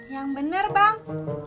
yang bener bang